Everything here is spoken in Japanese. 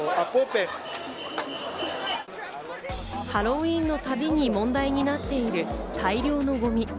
ハロウィーンの度に問題になっている大量のゴミ。